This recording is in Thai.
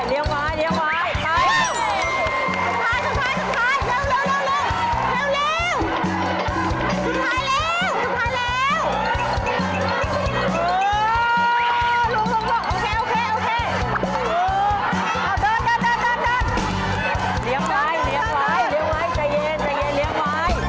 เหลียมไว้เหลียมไว้เหลียมไว้ใจเย็นเหลียมไว้